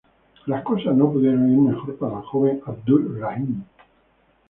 Las cosas no pudieron ir mejor para el joven Abdur-Rahim.